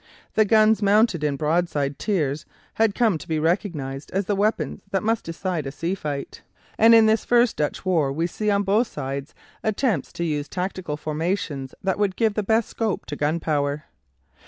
The guns mounted in broadside tiers had come to be recognized as the weapons that must decide a sea fight, and in this first Dutch war we see on both sides attempts to use tactical formations that would give the best scope to gun power.